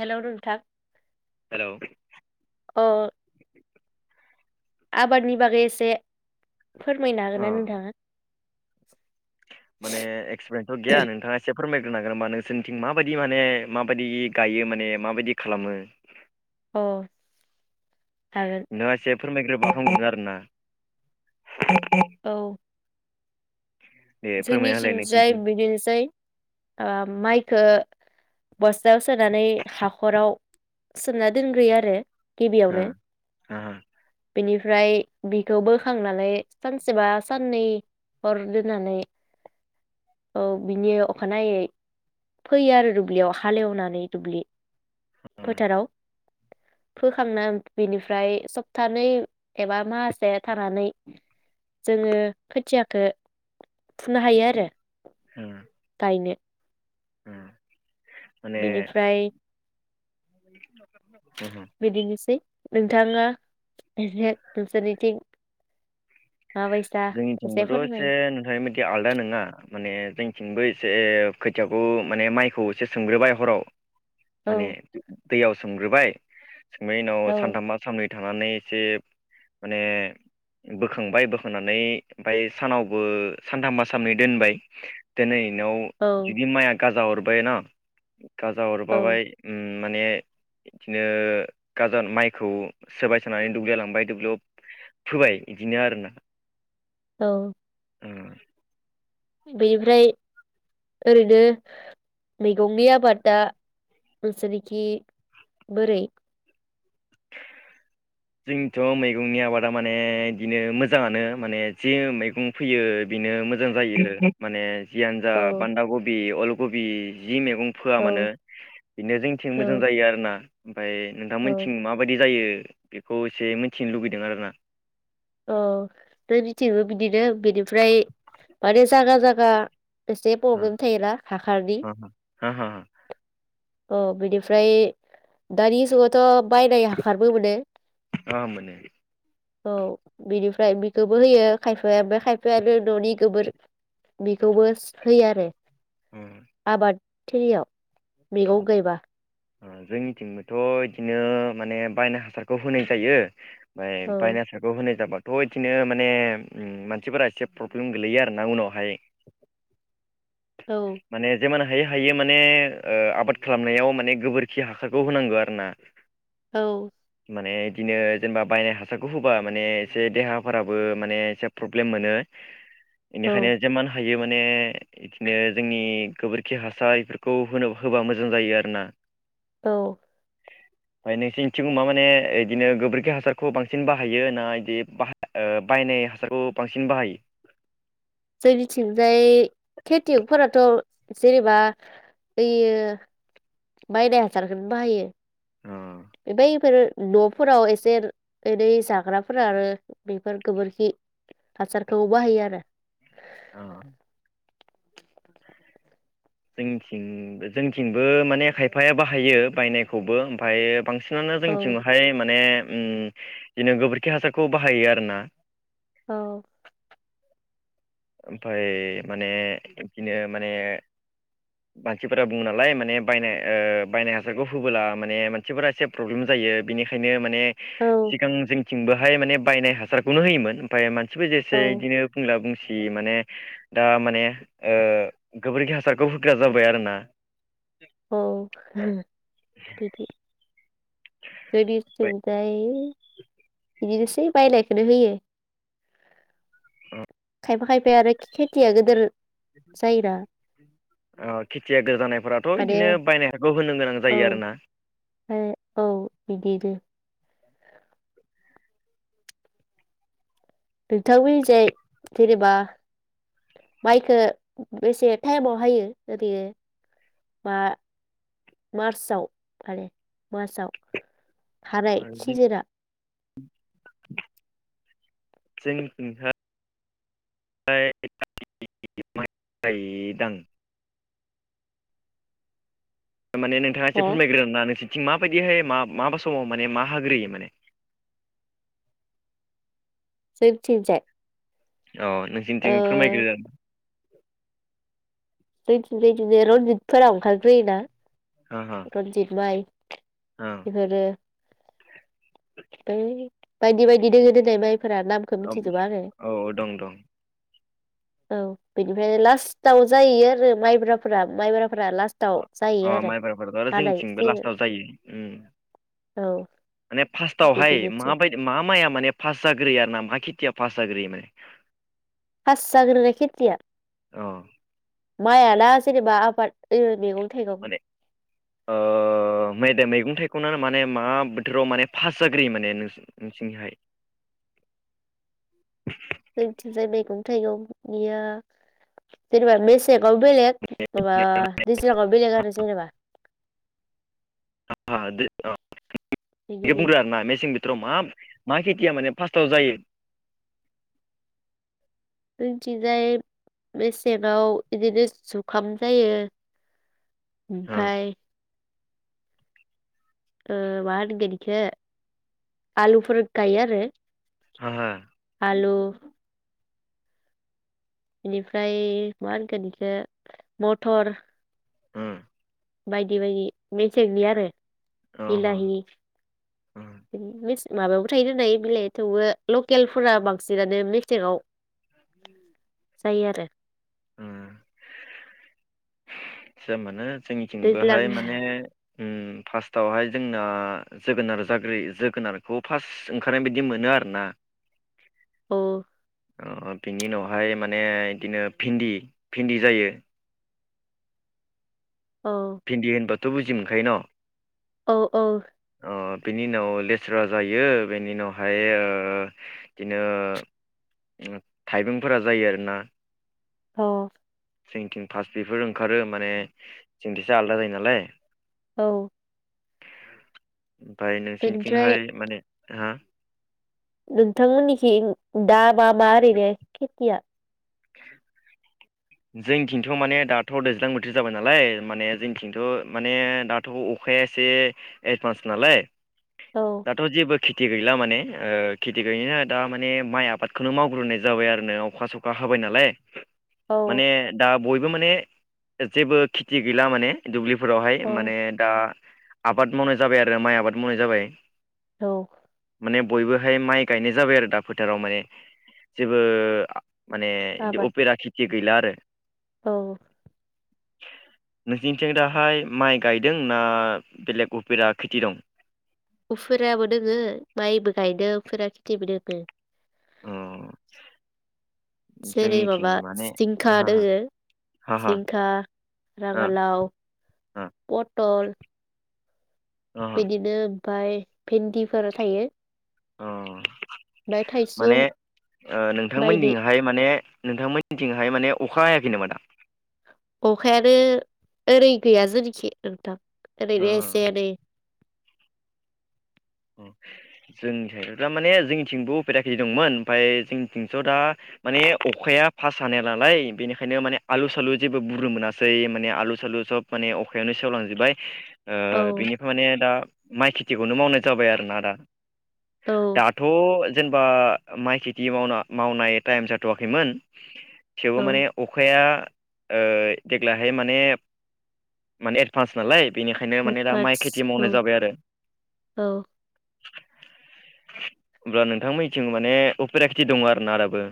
Hello नोंथां। Hello. अ आबादनि बागै एसे फोरमायनो अ हागोन ना नोंथाङा? माने एक्सपिरेन्टथ गैया नोंथाङा सेब फोरमायग्रोनो हागोन नामा नोंसोरनिथिं माबायदि माने माबायदि गायो माने माबायदि खालामो। अह। नोंआ सेब फोरमायग्रोबा हामगोमोन आरो ना। औ दे फोरमायना होलाय जोंनिथिंजाय नोंसिनिथिं बिदिनोसै। ओ माइखो बस्थायाव सोनानै हाखराव सोना दोनग्रोयो आरो। ओ गिबियावनो ओ बेनिफ फ्राय बिखो बोखांनानै सानसेबा साननै हर दोननानै। औ बिनि अखानायै फोयो आरो दुब्लियाव हालेवनानै दुब्लि ओ फोथाराव फोखांना बिनिफ्राय सबथानै एबा माहासे थानानै। जोङो खोथिया थो। फुनो हायो आरो। गायनो। ओम। बेनिफ्राय। [inaudible] ओहो बिदिनोसै नोंथाङा [unintelligible] नोंसोरनिथिं माबायसा जोंनिथिंबोथ' फोरमाय एसे नोंथां मोननिथि आलदा नङा माने जोंनिथिंबो एसे खोथियाखौ माने माइखौ एसे सोमग्रोबाय हराव औ माने दैयाव सोमग्रोबाय। सोमनायनि उनाव औ सानथामबा सामनै थानानै एसे माने बोखांबाय बो। होनानै ओमफाय सानावबो सानथामबा साननै दोनबाय दोनै नोव औ जुदि माया गाजा हर बायोन' गाजा औ हरबाबाय उम माने बिदिनो गाजा माइखौ सोबाय सोनानै दुब्लि लांबाय दुब्लियाव फोबाय बिदिनो आरो ना। औ उम। बेनिफ्राय ओरैनो मैगंनि आबादा नोंसोरनिखि बोरै? जोंनिथ' मैगंनि आबादा माने इदिनो मोजाङानो माने जे मैगं फैयो बेनो मोजां जायो माने जियानो जा औ बान्दागबि अलक गबि जि मेगं फोआ औ मानो बेनो जोंनिथिं औ मोजां जायो आरोना। फ्राय नोंथां औ मोननिथि माबायदि जायो बेखौ एसे मिथिनो लुबैदों आरोना । औ जोंनिथिंबो बिदिनो बेनिफ्राय माने जागा जागा एसे हा पब्लेम थायोना हाखारनि। हा हा अ बिनिफ्राय दानि जुगावथ' बायनाय हाखारबो मोनो। ओ मोनो। औ बिनिफ्राय बेखोबो होयो खायफाया ओमफाय खायफाया आरो न'नि गोबोर बेखौबोस होयो आरो। आबाद थिलिआव मेगं गायबा उम जोंनिथिंबोथ' इदिनो माने बायनाय हासारखौ होनाय जायो। आमफाय औ बायनाय हासारखौ होनाय जाबा थ' इथिनो माने उम मानसिफोरा एसे प्रब्लेम गोलैयो आरोना उनावहाय औ माने जेमाना हायो हायो माने ओ आबाद खालामनायाव माने गोबोरखि हाखारखौ होनांगौ आरो ना। औ। माने इदिनो जेनेबा बायनाय हासारखौ होबा माने एसे देहाफोराबो माने एसे प्रब्लेम मोनो। औ बेनिखायनो जेमान हायो। बेयो माने इदिनो जोंनि गोबोरखि हासार इफोरखौ होनो-होबा मो मोजां जायो आरोना। औ ओमफ्राय नोंसोरनिथिं मा-माने बिदिनो गोबोरखि हासारखौ बांसिन बाहायो ना बिदि बाहा- बायनाय हासारखौ बांसिन बाहायो जोंनिथिंजाय खेथियगफोराथ जेनेबा यो बायनाय हासारखौनो बाहायो। औ बैफोर न'फोराव एसे ओरै जाग्राफोरा आरो बेफोर गोबोरखि हासारखौ बाहायो आरो औ जोंथिं-जोंथिंबो माने खायफाया बाहायो बायनायखौबो ओमफ्राय बां नुनो औ जोंनिथिंहाय माने अम बिदिनो गोबोरखि हासारखौ बाहायो आरोना। औ ओमफाय माने बिदिनो माने मानसिफोरा बुङोनालाय माने बायनाय ओ बायनाय हासारखौ होबाला माने मानसिफोरा एसे प्रबलेम जायो बिनिखायनो माने औ सिगां जोंनि थिंबोहाय माने बायनाय हासारखौनो होयोमोन ओमफ्राय माने औ सोवजेसे बिदिनो बुंला बुंसि खि माने दा माने ओम गोबोरखि हासारखौ होग्रा जाबाय आरोना औ होम बिदि ओमफ्राय जोबिसथिंजाय बिदिनोसै बायनायखौनो होयो खायफा-खायफाया आरो खे-खेथिया गिदिर जायोना अ खिथियाक जानायफोराथ' माने बिदिनो बायनाय हारखौ होनो गोनां औ जायो आरोना। औ बिदिनो नोंथांमोननिजाय जेनेबा मायखो बेसे टायमाव हायो ओरैनो मा मार्चआव आरो मार्चआव हाराय सिजोरा जों नि थिं था इ इ गायो दां माने नोंथांङा एसे हो फोरमायग्रो आरोना नोंसिनि माबायदि हाय मा मा बा समाव माने मा हाग्रोयो माने जोंनिथिं जाय औ नोंसोरनिथिं फोरमायग्रो आ जोंनिथिं जायखि जाया रनजितफोरा ओंखारग्रोयोना? ओ रन्जित माय ओ बेफोरो थै बाइदि बाइदि [unintelligible] फोरा नामखौ औ मिथिजोबा आङो औ दं दं औ बेनिफ्राय लास्टाव जाहैयो आरो मायब्राफोरा मायब्रा अ अ मायबारफोरथ' आरो हानाय जोंनिथिंबो सिजोन लास्टाव जायो ओम औ माने फार्स्टआवहाय बिदिनोसै माबायदि मा माइया माने फार्स्ट जाग्रोयो आरोना मा खिथिया फास जाग्रोयो माने फास जाग्रोनाय खेथिया अ मायाना जेनेबा आबाद ओ मेगं थायगं औ मैदेम मैगं थाइगङा माने मा बोथोराव माने फास जाग्रोयो माने नोंसिनिहाय जोंथिंजाय मैगं थाइगंनिया जेनेबा मेस बेलेग माबा दैज्लां आव बेलेग आरो जेनेबा [unintelligible] दै ओ बियो बिदिनो बुंदो आरोना मेसें बो बोथोराव मा मा खेथिया माने फासत जायो जोंनिथिंजाय मेसेंङाव इदिनो जुखाम जायो। हा औमफाय ओ माहोनगोन इखो आलुफोर गायो आरो। हा हा हेल' बेनिफ्राय मा होनगोन इखौ मटर ओ बायदि बायदि मेसेंनि आरो अ बिलाहि उम बिनिफ्राय मिथ माबायावबो थायो दायो बिलाइ थेवबो लकेलफोरा बांसिनानो मेसेङाव उम जायो आरो। उम [unintelligible] जोंनि थिं दैज्लां बोहाय माने ओम फासतावहाय जोंना जोगोनार जाग्रो जोगोनारखौ फास ओंखारनाय बायदि मोनो आरोना ओ ओ बिनि उनावहाय माने बिदिनो फिन्दि फिन्दि जायो। औ भिन्दि होनबा थ' बुजि मोनखायो न? औ औ ओ बिनि उनाव लेस्रा जायो बेनि उनावहाय ओ बिदिनो ओ थाइबेंफोरा जायो आरोना। औ जोंनिथिं फास बेफोरो ओंखारो माने जोंनिथिंजा आलादा जायो नालाय औ ओमफ्राय बेनिफ्राय नोंसिनिथिंहाय माने हा नोंथांमोननिखि दा। मा मा ओरैनो खोथिया [inaudible] जोंथिंथ माने दाथ' दैज्लां बोथोर जाबाय नालाय माने जोंनिथिंथ माने दाथ' अखाया एसे एडभान्स नालाय। औ दाथ जे खेथि गैला माने ओ खेथि गैयैनो दा माने माइ आबादखौनो मावग्रोनाय जाबाय आरो नों अखा सखा होबाय नालाय। औ माने दा बयबो माने जेबो खिकि गैला माने दुब्लि फोरावहाय औ माने दा आबाद मावनाय जाबाय आरो माइ आबाद मावनाय जाबाय। औ। माने बयबोहाय माइ गायनाय जाबाय आरो दा फोथाराव माने जेबो माने इदि आबाद उपेरा खिथि बिलारो औ। नोंसोरनिथिं दाहाय माइ गायदों ना बेलेग उफेरा खेथि दं? उफोराबो दोङो माइबो गायदों उफेरा खिथिबो दोङो। अ। जेरै जोंनिथिं माबा माने जिंखा हा हा दोङो हा हा जिंखा हा राङालाव अ पथल बिदिनो ओमाय भेन्दिफोर थायो। अ। ओमफ्राय माने थाइसुम बायदि नोंथांमोननिंहाय माने नोंथांमोननिथिंहाय माने अखा हायाखै नामा दा। अखायानो ओरै गैया जोंनिखि नोंथां। ओरैनो अ एसे एनै जोंनिथाय दा माने जोंनिथिंबो उफेरा खेथि दंमोन ओमफ्राय जोंनिथिंथ दा माने अखाया फास हानाया नालाय बेनिखायनो माने आलु सालु जेबो बुरुनो मोनासै माने आलु सालु सब माने अखायानो सेवलांजोबबाय। ओ औ बेनिफ्राय माने दा माइ खि खेथि खौनो मावनाय जाबाय आरोना दा औ दाथ' जेनेबा माइ खेथि मावना मावनाय टाइम जाथ'वाखैमोन। थेवबो औ माने अखाया ओ देग्लायहाय माने माने एडभान्स नालाय बेनिखायनो माने दा माइ हेदपाटस खेथि औ मावनाय जाबाय आरो। औ। होमब्ला नोंथांमोनथिं माने अपेरा खिथि दङ आरो ना दाबो।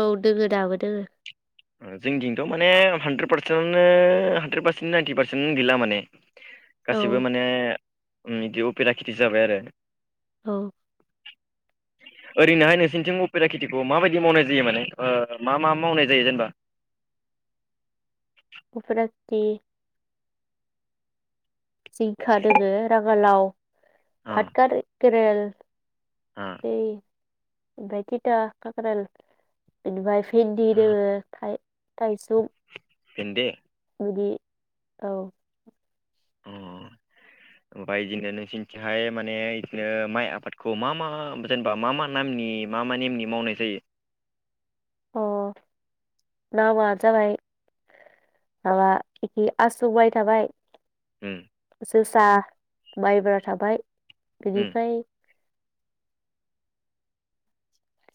औ दोङो दाबो दोङो। जों दिंथ' माने हानद्रेद पारसेन्टनो हानद्रेद पारसेन्ट नाइनटि पारसेन्ट गैला माने । औ गासिबो माने उम इदि उफेरा खेथि जाबाय आरो। औ ओरैहाय नोंसिनिथिं उपेरा खेथिखौ माबायदि मावनाय जायो माने ओ मा मा मावनाय जायो जेनेबा? उफोराथि जिंखा दोङो राङालाव अ फाट गारो गोरेल अ दै आमफाय तिता खाख्रेल बिनिफाय भिन्दि अ दोङो फ्राय [unintelligible] फेनन्दिं बिदि औ ओ ओमफाय इदिनो नोंसोरनिथिंहाय माने इदिनो माइ आबादखौ मा मा जेनेबा मा मा नामनि मा मा नेमनि मावनाय जायो? अ नामा जाबाय माबा एखि आसुबाय थाबाय उम [unintelligible] [unintelligible] माइब्रा थाबाय उम बिनिफ्राय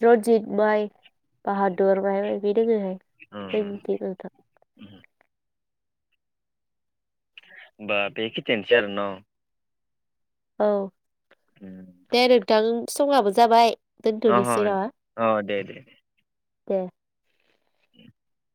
रनजित माइ बाहादुर माय बेदि दोङोहाय अ जोंनिथिंबो नोंथां। बाबे खिनियानोसै आरो न औ [unintelligible] थां समाबो जाबाय। अह दोनथ'नोसै नामा अ' दे दे दे [unintelligible]